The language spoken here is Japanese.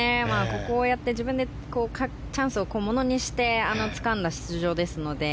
こうやって自分でチャンスをものにしてつかんだ出場ですので。